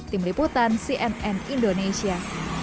tim liputan cnn indonesia